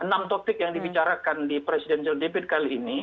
enam topik yang dibicarakan di presidential dapil kali ini